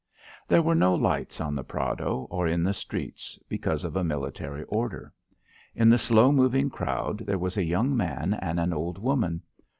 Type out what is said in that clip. There were no lights on the Prado or in other streets because of a military order. In the slow moving crowd, there was a young man and an old woman.